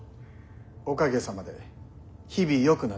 おかげさまで日々よくなっております。